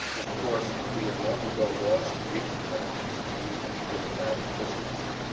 Of course, we had long ago lost or eaten that can of meat and the little bag of biscuits.